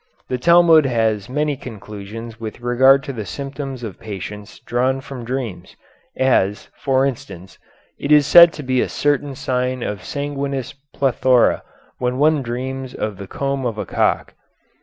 The Talmud has many conclusions with regard to the symptoms of patients drawn from dreams; as, for instance, it is said to be a certain sign of sanguineous plethora when one dreams of the comb of a cock.